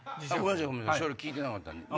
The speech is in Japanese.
それ聞いてなかったんで。